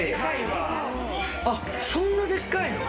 あっそんなでっかいの！？